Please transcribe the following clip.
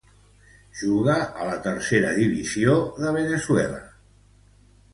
Juga a la Tercera Divisió de Veneçuela.